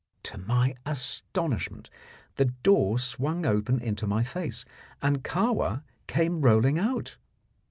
To my astonishment, the door swung open into my face, and Kahwa came rolling out.